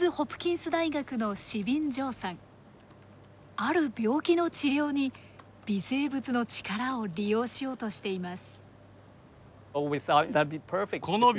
ある病気の治療に微生物の力を利用しようとしています。